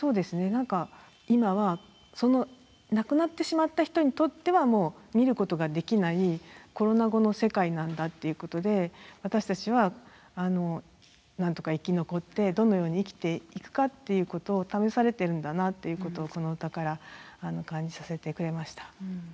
何か今はその亡くなってしまった人にとっては見ることができないコロナ後の世界なんだっていうことで私たちはなんとか生き残ってどのように生きていくかっていうことを試されているんだなっていうことをこの歌から感じさせてくれました。